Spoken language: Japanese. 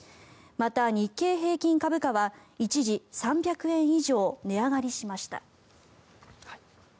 また、日経平均株価は一時、３００円以上値上がりしました。